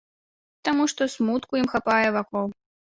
Таму што смутку ім хапае вакол.